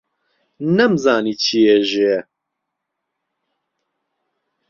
نەمزانی چی ئێژێ،